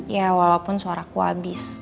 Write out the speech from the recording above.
ya walaupun suara ku abis